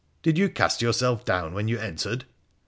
Did you cast yourself down when you entered?'